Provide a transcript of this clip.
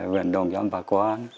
vận đồng cho bạc quan